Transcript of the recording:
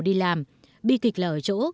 đi làm bi kịch là ở chỗ